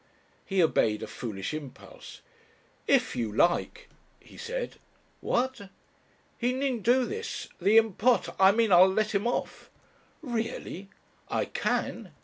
He obeyed a foolish impulse. "If you like " he said. "What?" "He needn't do this. The Impot., I mean. I'll let him off." "Really?" "I can."